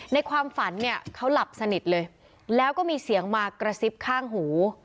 ในความฝันเนี่ยเขาหลับสนิทเลยแล้วก็มีเสียงมากระซิบข้างหู